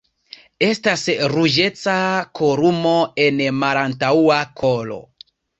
Estas ruĝeca kolumo en malantaŭa kolo.